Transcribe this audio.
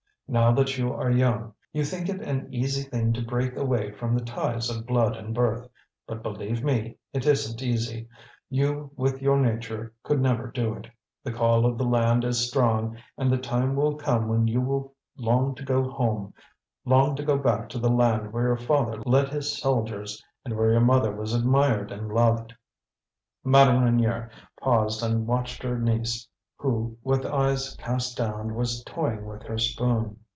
Now that you are young, you think it an easy thing to break away from the ties of blood and birth; but believe me, it isn't easy. You, with your nature, could never do it. The call of the land is strong, and the time will come when you will long to go home, long to go back to the land where your father led his soldiers, and where your mother was admired and loved." Madame Reynier paused and watched her niece, who, with eyes cast down, was toying with her spoon.